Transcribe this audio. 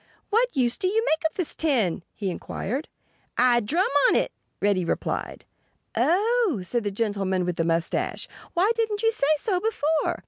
"What use do you make of this tin?" he inquired. "I drum on it," Reddy replied. "Oh!" said the gentleman with the mustache. "Why didn't you say so before?"